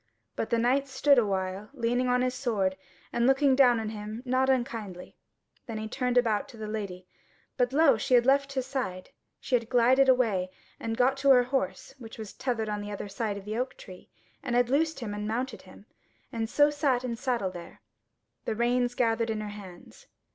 But the Knight stood a while leaning on his sword, and looking down on him not unkindly. Then he turned about to the Lady, but lo! she had left his side. She had glided away, and got to her horse, which was tethered on the other side of the oak tree, and had loosed him and mounted him, and so sat in the saddle there, the reins gathered in her hands.